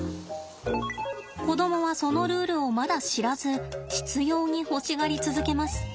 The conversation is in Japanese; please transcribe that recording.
子供はそのルールをまだ知らず執ように欲しがり続けます。